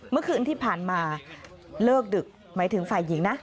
เมื่อคืนที่ผ่านมาเลิกดึกหมายถึงฝ่ายหญิงนะ